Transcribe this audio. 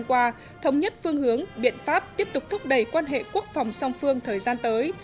trong thời gian qua thống nhất phương hướng biện pháp tiếp tục thúc đẩy quan hệ quốc phòng song phương thời gian tới